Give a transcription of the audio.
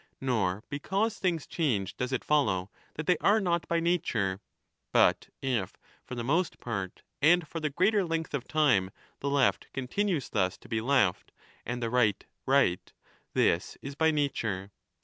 Nor because things change does it follow that they are not by nature. But if for the most part and for the greater length of time the left continues thus to be left and the right right, this is by nature.